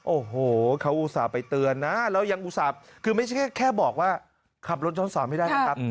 โอ้โหเขาอุตส่าห์ไปเตือนนะแล้วยังอุตส่าห์คือไม่ใช่แค่บอกว่าขับรถย้อนสอนไม่ได้นะครับ